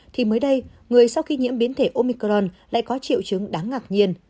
thì mới đây người sau khi nhiễm biến thể omicron lại có triệu chứng đáng ngạc nhiên